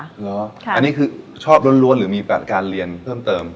อันนี้คือชอบล้วนหรือมีแบบการเรียนเพิ่มเติม